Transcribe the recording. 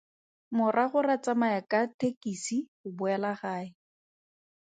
Morago ra tsamaya ka tekesi go boela gae.